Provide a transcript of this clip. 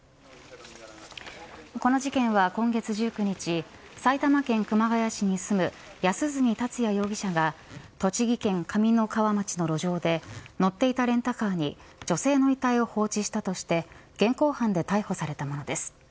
この事件は今月１９日埼玉県熊谷市に住む安栖達也容疑者が栃木県上三川町の路上で乗っていたレンタカーに女性の遺体を放置したとして現行犯で逮捕されたものです。